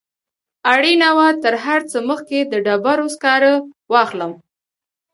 اړینه وه تر هر څه مخکې د ډبرو سکاره واخلم.